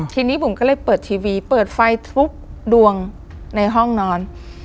ทีนี้บุ๋มก็เลยเปิดทีวีเปิดไฟทุกดวงในห้องนอน